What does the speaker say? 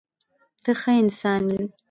ته ښه انسان یې.